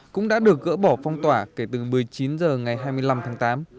cũng đã được gỡ bỏ phong tỏa kể từ một mươi chín h ngày hai mươi năm tháng tám